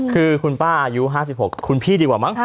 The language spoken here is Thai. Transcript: คือคุณป้าอายุ๕๖คุณพี่ดีกว่ามั้ง